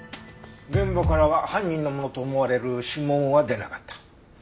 現場からは犯人のものと思われる指紋は出なかった。